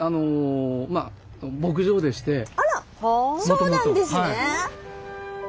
そうなんですね。